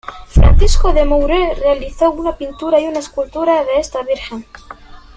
Francisco de Moure realizó una pintura y una escultura de esta Virgen.